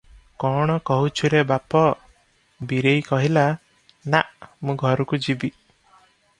କଣ କହୁଛୁ ରେ ବାପ?" ବୀରେଇ କହିଲା, " ନା ମୁଁ ଘରକୁ ଯିବି ।"